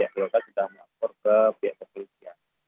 keluarga sudah melaporkan ke pihak polisian